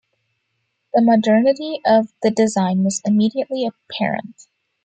The modernity of the design was immediately apparent.